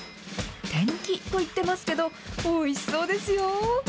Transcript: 手抜きと言ってますけど、おいしそうですよ。